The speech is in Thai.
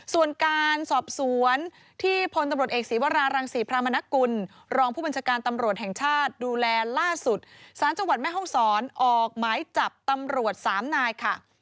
ส่วนการสอบสวนที่พลตำรวจเอกศีวรารังศรีพรามนกุลรองผู้บัญชาการตำรวจแห่งชาติดูแลล่าสุดสารจังหวัดแม่ห้องศรออกหมายจับตำรวจ๓นายค่ะ